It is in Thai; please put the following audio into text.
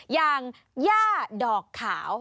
อย่างย่าดอกขาว